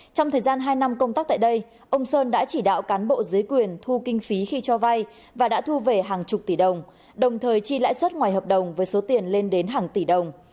trong thời gian hai năm công tác tại đây ông sơn đã chỉ đạo cán bộ dưới quyền thu kinh phí khi cho vay và đã thu về hàng chục tỷ đồng đồng thời chi lãi suất ngoài hợp đồng với số tiền lên đến hàng tỷ đồng